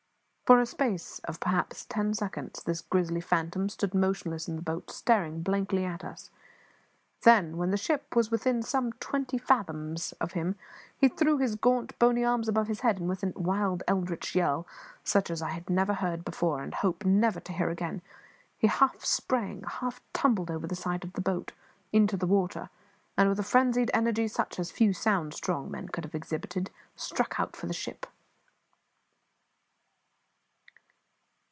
For a space of, perhaps, ten seconds, this grisly phantom stood motionless in the boat, staring blankly at us; then, when the ship was within some twenty fathoms of him, he threw his gaunt, bony arms above his head, and with a wild, eldritch yell, such as I had never heard before, and hope never to hear again, he half sprang, half tumbled over the side of the boat into the water, and, with a frenzied energy such as few sound, strong men could have exhibited, struck out for the ship.